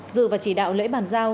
dự và chỉ đạo lễ bàn giao